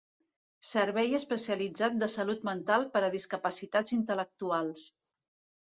Servei especialitzat de salut mental per a discapacitats intel·lectuals.